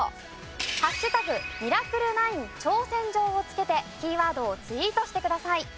ミラクル９挑戦状をつけてキーワードをツイートしてください。